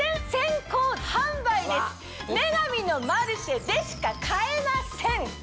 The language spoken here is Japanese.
『女神のマルシェ』でしか買えません！